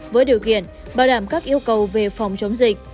với điều kiện bảo đảm các yêu cầu về phòng chống dịch